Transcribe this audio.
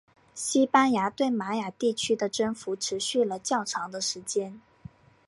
西班牙对玛雅地区的征服持续了较长的时间。